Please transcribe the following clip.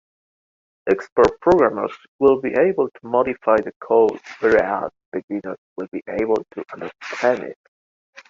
Expert programmers will be able to modify the code whereas beginners will be able to understand it.